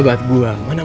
banknya juga banyak